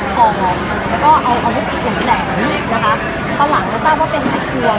ตอนหลังเขาจะทราบว่าเป็นแผลควร